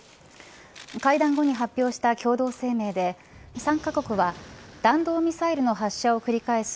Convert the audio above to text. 会談後に発表した共同声明で３カ国は弾道ミサイルの発射を繰り返す